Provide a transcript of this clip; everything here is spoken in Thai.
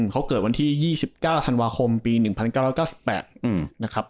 เขาเกิดวันที่๒๙ธันวาคมปี๑๙๙๘นะครับ